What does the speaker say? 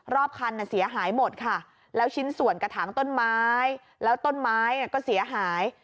รอบคันเสียหายหมดค่ะแล้วชิ้นส่วนกระถางต้นไม้แล้วต้นไม้ก็เสียหาย